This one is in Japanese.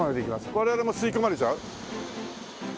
我々も吸い込まれちゃう？